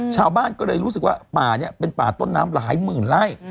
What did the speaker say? ชาวบ้านก็เลยรู้สึกว่าป่านี้เป็นป่าต้นน้ำหลายหมื่นไล่